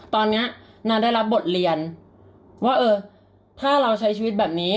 ตอนนี้นางได้รับบทเรียนว่าเออถ้าเราใช้ชีวิตแบบนี้